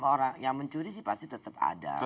orang yang mencuri sih pasti tetap ada